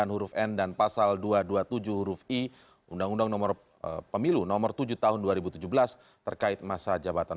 huruf n dan pasal dua ratus dua puluh tujuh huruf i undang undang nomor pemilu nomor tujuh tahun dua ribu tujuh belas terkait masa jabatan